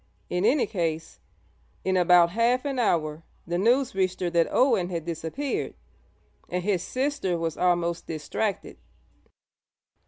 In any case, in about half an hour the news reached her that Owen had disappeared, and his sister was almost distracted.